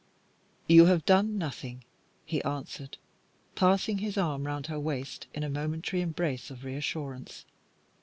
"You have done nothing," he answered, passing his arm round her waist in a momentary embrace of reassurance.